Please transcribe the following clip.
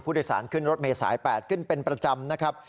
ผู้โดยสารขึ้นรถเมษาย๘ขึ้นเป็นประจำนะครับ